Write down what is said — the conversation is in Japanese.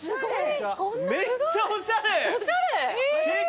めっちゃおしゃれ！